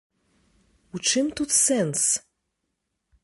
У чым тут сэнс?